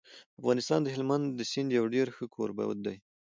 افغانستان د هلمند د سیند یو ډېر ښه کوربه دی.